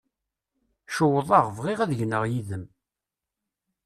Cewḍeɣ, bɣiɣ ad gneɣ yid-m.